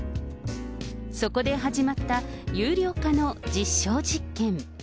そこで始まった有料化の実証実験。